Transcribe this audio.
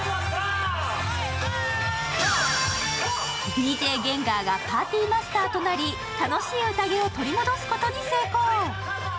ＤＪゲンガーがパーティマスターとなり楽しいうたげを取り戻すことに成功。